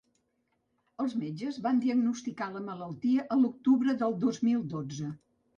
Els metges van diagnosticar la malaltia a l’octubre del dos mil dotze.